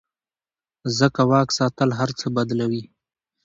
ځکه واک ساتل هر څه بدلوي.